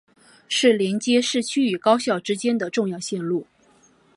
是连接市区与高校之间的重要线路。